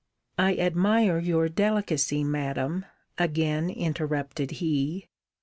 I admire your delicacy, Madam, again interrupted he.